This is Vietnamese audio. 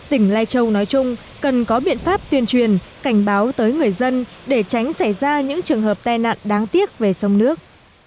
tỉnh lai châu nói chung cần có biện pháp tuyên truyền cảnh báo tới người dân để tránh xảy ra những trường hợp tai nạn đáng tiếc về sông nước